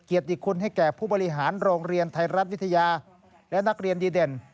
เกียรติคุณให้แก่ผู้บริหารโรงเรียนไทยรัฐวิทยาและนักเรียนดีเด่น